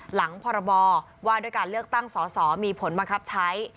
พรบว่าด้วยการเลือกตั้งสอสอมีผลบังคับใช้